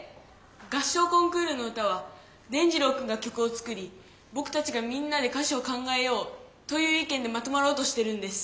合唱コンクールの歌は伝じろうくんが曲を作りぼくたちがみんなで歌詞を考えようという意見でまとまろうとしてるんです。